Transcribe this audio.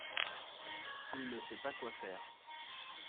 il ne sait pas quoi faire.